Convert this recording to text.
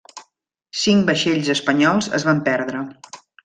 Cinc vaixells espanyols es van perdre.